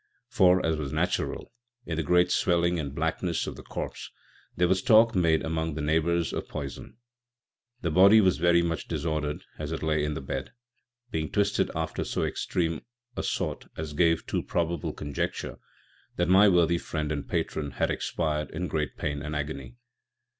For, as was natural, in the great Swelling and Blackness of the Corpse, there was talk made among the Neighbours of Poyson. The Body was very much Disorder'd as it laid in the Bed, being twisted after so extream a sort as gave too probable Conjecture that my worthy Friend and Patron had expir'd in great Pain and Agony.